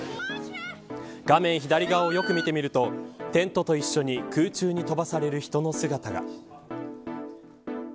画面左側をよく見てみるとテントと一緒に空中に飛ばされる人の姿が。